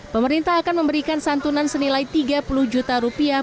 pemerintah akan memberikan santunan senilai tiga puluh juta rupiah